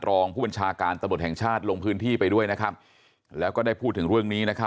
รองผู้บัญชาการตำรวจแห่งชาติลงพื้นที่ไปด้วยนะครับแล้วก็ได้พูดถึงเรื่องนี้